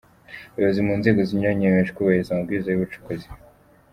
Abayobozi mu nzego zinyuranye biyemeje kubahiriza amabwiriza y’ubucukuzi.